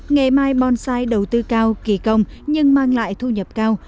nghề mai bonsai đầu tư cao kỳ công nhưng mang lại thu nhập cao